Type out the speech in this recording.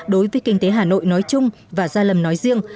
đối với kinh tế hà nội nói chung và gia lâm nói riêng